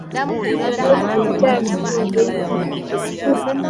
kwani ukizigatia vituo vingi vya kupigia kura